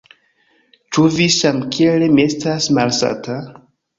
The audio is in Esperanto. Ĉu vi samkiel mi estas malsata?